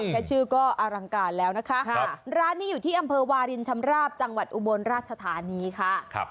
แค่ชื่อก็อลังการแล้วนะคะร้านนี้อยู่ที่อำเภอวาลินชำราบจังหวัดอุบลราชธานีค่ะ